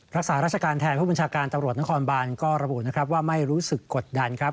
รักษาราชการแทนผู้บัญชาการตำรวจนครบานก็ระบุนะครับว่าไม่รู้สึกกดดันครับ